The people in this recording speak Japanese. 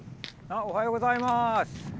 おはようございます。